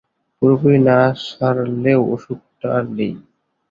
পুরোপুরি না সারলেও অসুখটা আর নেই।